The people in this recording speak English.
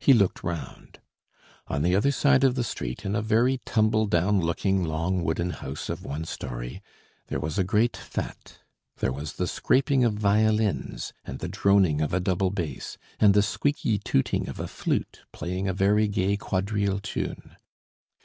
He looked round. On the other side of the street, in a very tumble down looking long wooden house of one storey, there was a great fête, there was the scraping of violins, and the droning of a double bass, and the squeaky tooting of a flute playing a very gay quadrille tune.